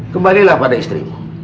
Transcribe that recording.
kembalilah pada istrimu